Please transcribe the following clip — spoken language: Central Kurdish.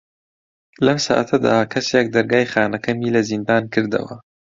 لەم ساتەدا کەسێک دەرگای خانەکەمی لە زیندان کردەوە.